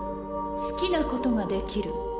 好きなことができる。